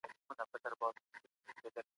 حضوري ټولګي ته پر وخت حاضر سه.